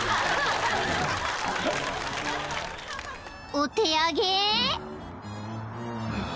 ［お手上げ］